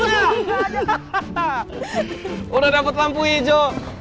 ibu udah dapet lampu hijau